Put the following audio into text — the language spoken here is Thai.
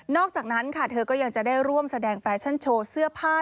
อกจากนั้นค่ะเธอก็ยังจะได้ร่วมแสดงแฟชั่นโชว์เสื้อผ้า